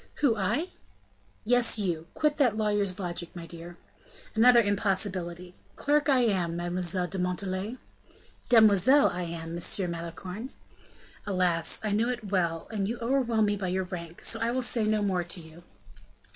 "Who, I?" "Yes, you; quit that lawyer's logic, my dear." "Another impossibility. Clerk I am, Mademoiselle de Montalais." "Demoiselle I am, Monsieur Malicorne." "Alas, I know it well, and you overwhelm me by your rank; so I will say no more to you."